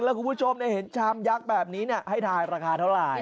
แล้วคุณผู้ชมเห็นชามยักษ์แบบนี้ให้ทายราคาเท่าไหร่